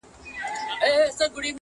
o چي راسره وه لکه غر درانه درانه ملګري,